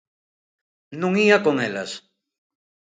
Non ía con elas.